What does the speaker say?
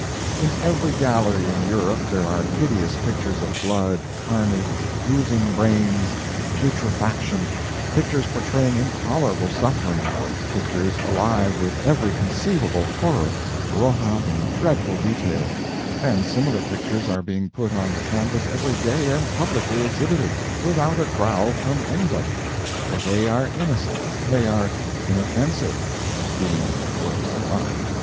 In every gallery in Europe there are hideous pictures of blood, carnage, oozing brains, putrefaction pictures portraying intolerable suffering pictures alive with every conceivable horror, wrought out in dreadful detail and similar pictures are being put on the canvas every day and publicly exhibited without a growl from anybody for they are innocent, they are inoffensive, being works of art.